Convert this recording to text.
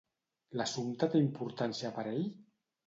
L'assumpte té importància per ell?